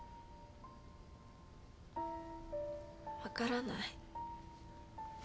分からない。